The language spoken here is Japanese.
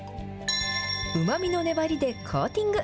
うまみの粘りでコーティング。